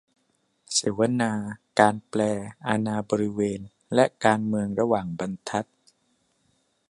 เสวนา "การแปล อาณาบริเวณ และการเมืองระหว่างบรรทัด"